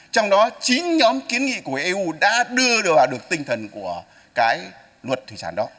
trong đó chín nhóm kiến nghị của eu đã đưa vào được tinh thần của cái luật thủy sản đó